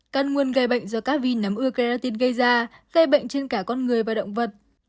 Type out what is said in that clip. căn nguồn gây bệnh do các vi nấm ưa keratin gây da gây bệnh trên cả con người và động vật